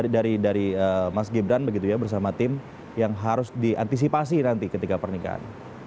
dari mas gibran begitu ya bersama tim yang harus diantisipasi nanti ketika pernikahan